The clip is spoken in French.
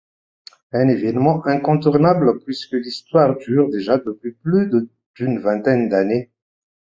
Un événement incontournable, puisque l'histoire dure déjà depuis plus d'une vingtaine d'années.